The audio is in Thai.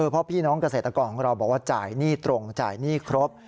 เพราะพี่น้องเกษตรกรของเราบอกว่าจ่ายหนี้ตรงจ่ายหนี้ครบ